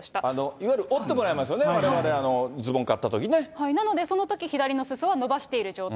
いわゆる折ってもらいますよね、われわれ、ズボン買ったときなので、そのとき、左のすそは伸ばしている状態。